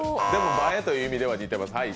映えという意味では似てます。